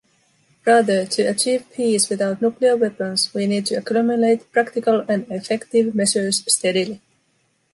Rather, to achieve peace without nuclear weapons, we need to accumulate practical and effective measures steadily.